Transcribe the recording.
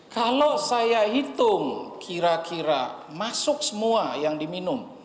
kalau saya hitung kira kira masuk semua yang diminum